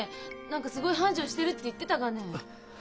何かすごい繁盛してるって言ってたがね。